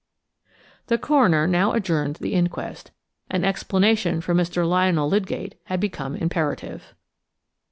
The coroner now adjourned the inquest. An explanation from Mr. Lionel Lydgate had become imperative.